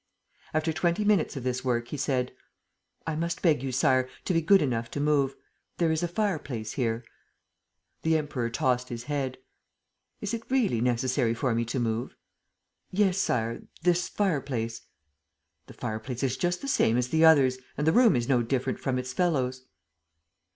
After twenty minutes of this work, he said: "I must beg you, Sire, to be good enough to move. There is a fireplace here. ..." The Emperor tossed his head: "Is it really necessary for me to move?" "Yes, Sire, this fireplace ..." "The fireplace is just the same as the others and the room is no different from its fellows."